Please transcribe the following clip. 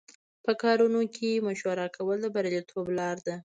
په کارونو کې مشوره کول د بریالیتوب لاره ده.